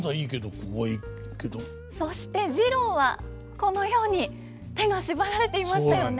そして次郎はこのように手が縛られていましたよね。